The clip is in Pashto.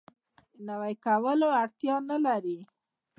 نوی کولو اړتیا نه لري.